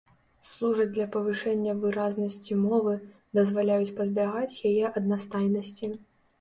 Служаць для павышэння выразнасці мовы, дазваляюць пазбягаць яе аднастайнасці.